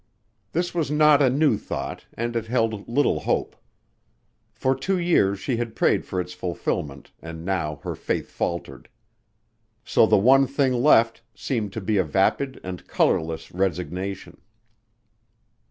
This was not a new thought and it held little hope. For two years she had prayed for its fulfillment and now her faith faltered. So the one thing left seemed to be a vapid and colorless resignation.